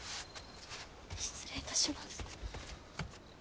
失礼いたします。